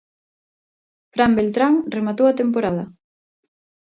Fran Beltrán rematou a temporada.